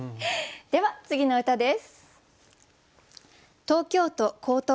では次の歌です。